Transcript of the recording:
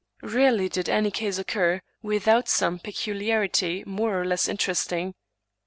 Rarely did any case occur without some peculiarity more or less interesting.